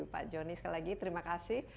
pak joni sekali lagi terima kasih